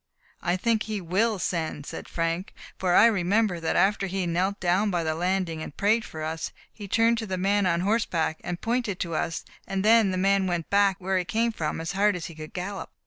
"I think he will send," said Frank; "for I remember that after he knelt down by the landing and prayed for us, he turned to the man on horse back, and pointed to us; and then the man went back where he came from as hard as he could gallop."